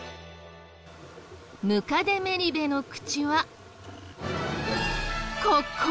ムカデメリベの口は。